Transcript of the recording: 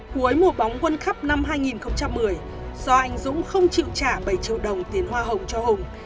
cuối mùa bóng quân khắp năm hai nghìn một mươi do anh dũng không chịu trả bảy triệu đồng tiền hoa hồng cho hùng